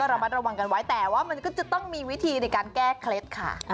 ระมัดระวังกันไว้แต่ว่ามันก็จะต้องมีวิธีในการแก้เคล็ดค่ะ